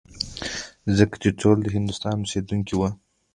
ځکه چې ټول د هندوستان اوسېدونکي وو.